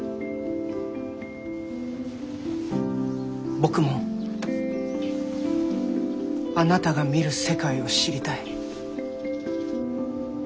僕もあなたが見る世界を知りたい。